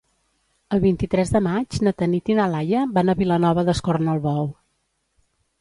El vint-i-tres de maig na Tanit i na Laia van a Vilanova d'Escornalbou.